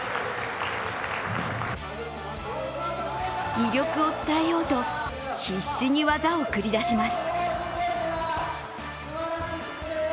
魅力を伝えようと必死に技を繰り出します。